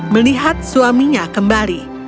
melihat suaminya kembali